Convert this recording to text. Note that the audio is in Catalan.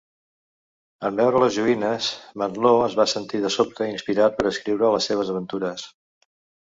En veure les joguines, Mantlo es va sentir de sobte inspirat per escriure les seves aventures.